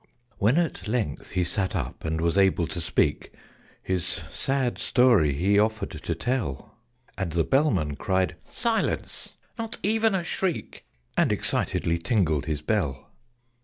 When at length he sat up and was able to speak, His sad story he offered to tell; And the Bellman cried "Silence! Not even a shriek!" And excitedly tingled his bell.